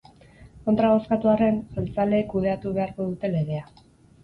Kontra bozkatu arren, jeltzaleek kudeatu beharko dute legea.